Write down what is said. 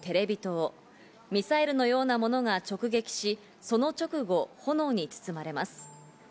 ミサイルのようなものが直撃し、その直後、炎に包まれます。